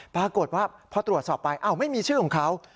ปรากฏว่าพอตรวจสอบไปอ้าวไม่มีชื่อของเขา